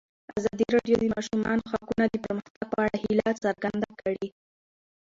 ازادي راډیو د د ماشومانو حقونه د پرمختګ په اړه هیله څرګنده کړې.